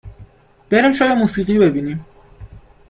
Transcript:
بریم شوی موسیقی ببینیم